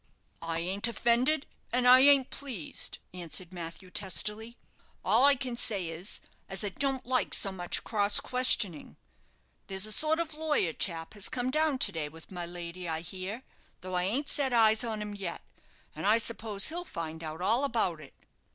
"I ain't offended, and I ain't pleased," answered Matthew, testily; "all I can say is, as I don't like so much cross questioning. There's a sort of a lawyer chap has come down to day with my lady, I hear, though I ain't set eyes on him yet; and I suppose he'll find out all about it."